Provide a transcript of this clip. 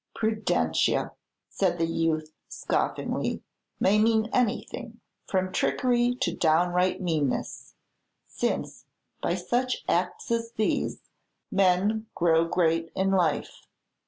"Prudentia," said the youth, scoffingly, "may mean anything, from trickery to downright meanness; since, by such acts as these, men grow great in life.